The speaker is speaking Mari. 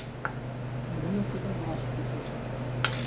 Нуно кидым ваш кучышт.